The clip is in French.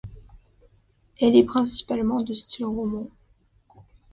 Elle est principalement de style roman.